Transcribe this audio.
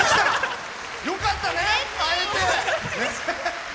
よかったね！